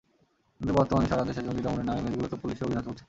কিন্তু বর্তমানে সারা দেশে জঙ্গি দমনের নামে মেসগুলোতে পুলিশি অভিযান চলছে।